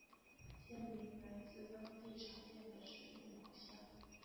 县名来自当地常见的植物茅香。